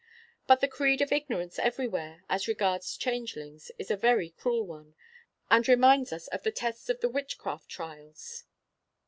But the creed of ignorance everywhere as regards changelings is a very cruel one, and reminds us of the tests of the witchcraft trials.